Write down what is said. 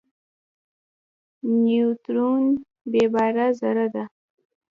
نیوترون بېباره ذره ده.